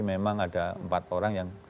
memang ada empat orang yang